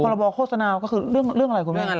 พฤรปรบโฆษณาก็คือเรื่องอะไรคุณหมุง